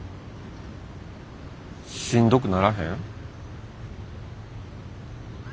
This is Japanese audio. しんどくならへん？